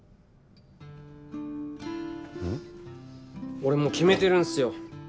俺もう決めてるんすよ。